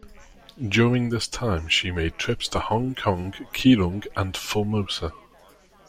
During this time, she made trips to Hong Kong, Keelung and Formosa.